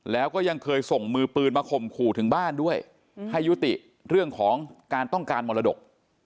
แล้วก็ยังเคยส่งมือปืนมาข่มขู่ถึงบ้านด้วยให้ยุติเรื่องของการต้องการมรดก